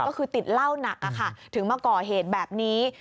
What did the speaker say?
ก็คือติดเหล้าหนักถึงมาก่อเหตุแบบนี้